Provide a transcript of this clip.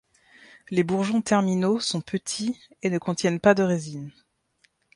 Les bourgeons terminaux sont petits et ne contiennent pas de résine.